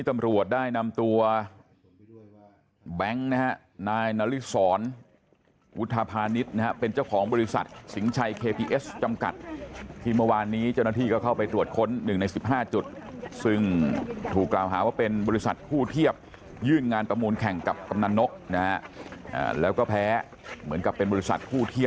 ที่ต้องทำความจริงให้ปรากฏ